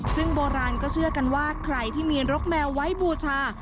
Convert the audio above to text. ซึ่งโบราณก็เชื่อกันว่าใครที่มีรกแมวไว้บูชา